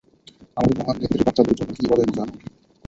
আমাদের মহান নেত্রী বাচ্চাদের জন্য কী বলেন জানো?